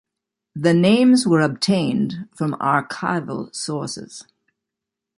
The names were obtained from archival sources.